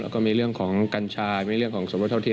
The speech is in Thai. ก็มีเรื่องของกัญชามีเรื่องของสมรสเท่าเทีย